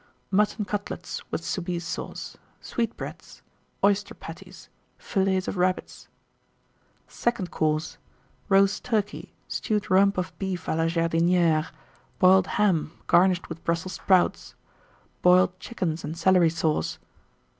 Mutton Cutlets, with Soubise Sauce. Sweetbreads. Oyster Patties. Fillets of Rabbits. SECOND COURSE. Roast Turkey. Stewed Rump of Beef à la Jardinière. Boiled Ham, garnished with Brussels Sprouts. Boiled Chickens and Celery Sauce.